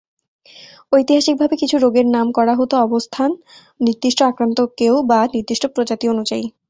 ঐতিহাসিকভাবে কিছু রোগের নাম করা হত অবস্থান, নির্দিষ্ট আক্রান্ত কেউ বা নির্দিষ্ট প্রজাতি অনুযায়ী।